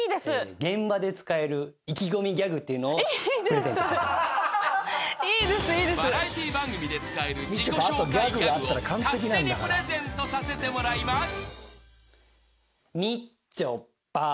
［バラエティー番組で使える自己紹介ギャグを勝手にプレゼントさせてもらいます］